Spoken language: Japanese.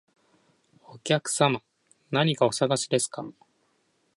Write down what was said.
お客様、何かお探しですか？